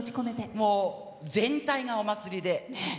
全体がお祭りで。